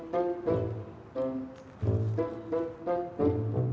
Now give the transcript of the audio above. lagi dalam kajian